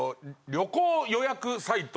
旅行予約サイト。